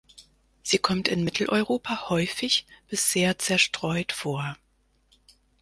Sie kommt in Mitteleuropa häufig bis sehr zerstreut vor.